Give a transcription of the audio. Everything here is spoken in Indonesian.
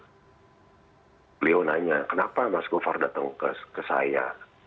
beliau nanya kenapa mas govar datang ke saya